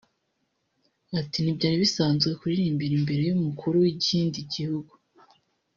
Ati “Ntibyari bisanzwe kuririmbira imbere y’Umukuru w’ikindi gihugu